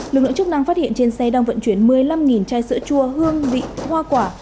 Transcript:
lực lượng chức năng phát hiện trên xe đang vận chuyển một mươi năm chai sữa chua hương vị hoa quả